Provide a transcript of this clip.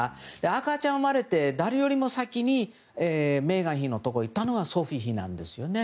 赤ちゃんが生まれて誰よりも先にメーガン妃のところに行ったのがソフィー妃なんですね。